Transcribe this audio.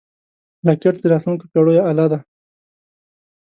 راکټ د راتلونکو پېړیو اله ده